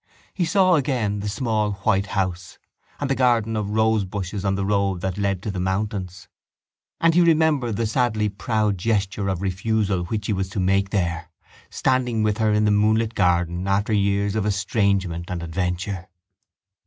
He saw again the small white house and the garden of rosebushes on the road that led to the mountains and he remembered the sadly proud gesture of refusal which he was to make there, standing with her in the moonlit garden after years of estrangement and adventure.